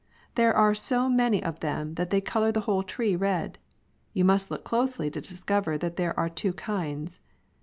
There are so many of them that they color the whole tree red. You must look closely to discover that there are two kinds.